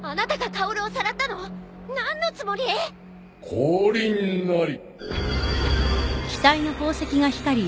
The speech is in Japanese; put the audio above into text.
降臨なり。